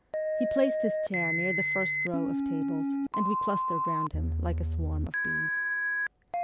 He placed his chair near the first row of tables, and we clustered round him like a swarm of bees.